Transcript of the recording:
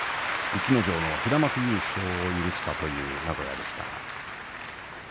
逸ノ城の平幕優勝を許したという名古屋でした。